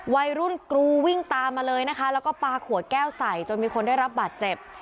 วัยรุ่นกรูวิ่งตามมาเลยนะคะแล้วก็ปลาขวดแก้วใส่จนมีคนได้รับบาดเจ็บ